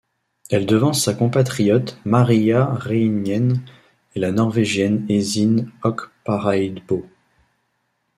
Elle devance sa compatriote Mariya Ryemyen et la Norvégienne Ezinne Okparaebo.